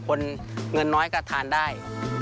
คนเงินน้อยก็ทานได้